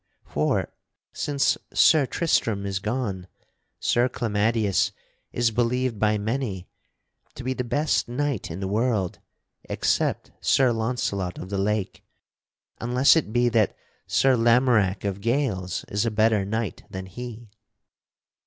For, since Sir Tristram is gone, Sir Clamadius is believed by many to be the best knight in the world, except Sir Launcelot of the Lake; unless it be that Sir Lamorack of Gales is a better knight than he."